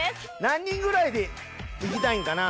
何人ぐらいで行きたいんかな？